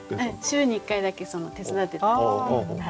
週に１回だけ手伝ってて。